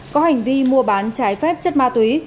có hành vi mua bán trái phép chất ma túy